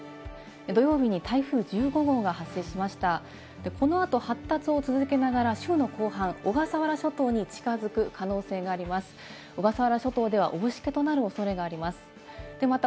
土曜日に台風１５号が発生しました。